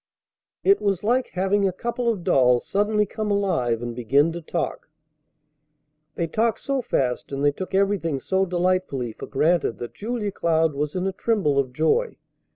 It was like having a couple of dolls suddenly come alive and begin to talk. They talked so fast and they took everything so delightfully for granted that Julia Cloud was in a tremble of joy.